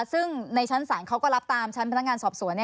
ซึ่งในชั้นศาลเขาก็รับตามชั้นพนักงานสอบสวน